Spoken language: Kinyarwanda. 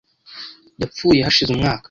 Yapfuye hashize umwaka .